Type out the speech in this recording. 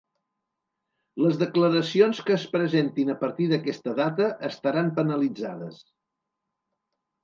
Les declaracions que es presentin a partir d’aquesta data estaran penalitzades.